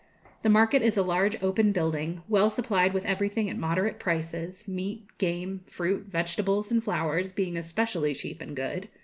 The market is a large open building, well supplied with everything at moderate prices; meat, game, fruit, vegetables, and flowers being especially cheap and good.